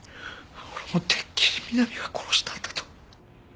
俺もうてっきり美波が殺したんだと。